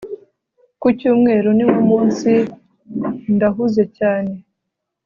Ku cyumweru niwo munsi ndahuze cyane